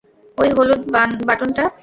ওই হলুদ বাটনটা।